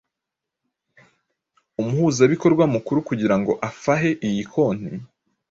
umuhuzabikorwa mukuru kugira ngo afahe iyi konti,